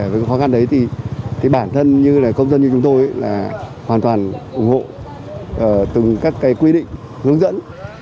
với khó khăn đấy thì bản thân như là công dân như chúng tôi là hoàn toàn ủng hộ từng các cái quy định hướng dẫn